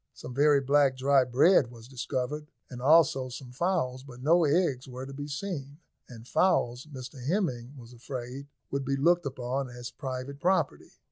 Some very black dry bread was discovered, and also some fowls, but no eggs were to be seen; and fowls, Mr Hemming was afraid, would be looked upon as private property.